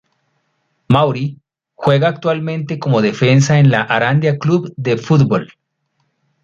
Mauri juega actualmente como defensa en la Arandina Club de Fútbol.